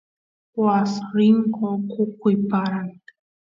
waas rinku oqoquy paran